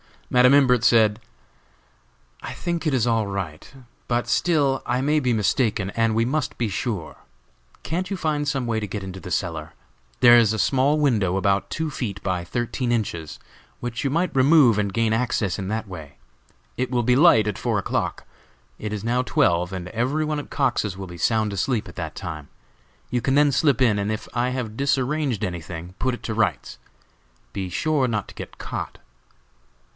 Madam Imbert said: "I think it is all right, but still I may be mistaken, and we must be sure. Can't you find some way to get into the cellar? There is a small window, about two feet by thirteen inches, which you might remove, and gain access in that way. It will be light at four o'clock; it is now twelve, and every one at Cox's will be sound asleep at that time. You can then slip in, and if I have disarranged anything, put it to rights. Be sure not to get caught!"